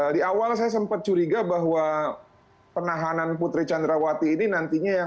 di awal saya sempat curiga bahwa penahanan putri candrawati ini nantinya yang